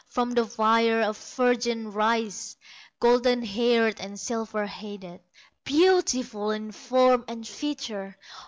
From the fire a virgin rises, Golden haired and silver headed, Beautiful in form and feature.